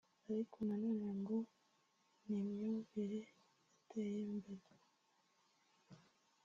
ariko nanone ngo n’imyumvire yateye imbere